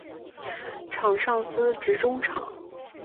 场上司职中场。